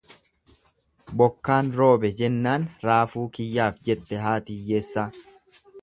Bokkaan roobe jennaan raafuu kiyyaaf jette haati iyyeessaa.